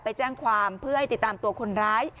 ไปแจ้งความเพื่อให้ติดตามตัวคนร้าย